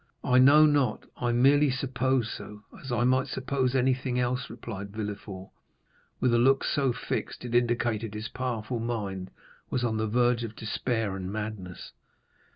"I know not; I merely suppose so, as I might suppose anything else," replied Villefort with a look so fixed, it indicated that his powerful mind was on the verge of despair and madness.